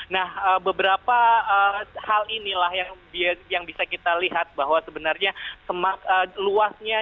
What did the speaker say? nah beberapa hal inilah yang bisa kita lihat bahwa sebenarnya luasnya